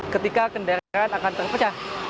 ketika kendaraan akan terpecah